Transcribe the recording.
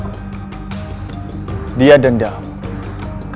orang yang baik